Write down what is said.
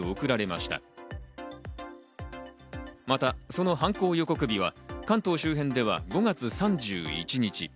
またその犯行予告日は関東周辺では５月３１日。